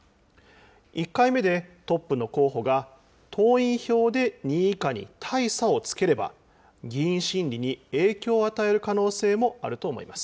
１回目でトップの候補が党員票で２位以下に大差をつければ、議員心理に影響を与える可能性もあると思います。